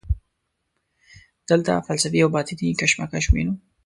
دلته فلسفي او باطني کشمکش وینو.